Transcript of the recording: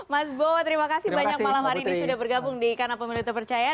mas bowo terima kasih banyak malam hari ini sudah bergabung di kanal pemilu terpercaya